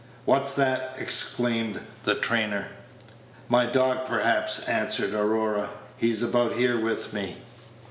"What's that?" exclaimed the trainer. "My dog, perhaps," answered Aurora; "he's about here with me."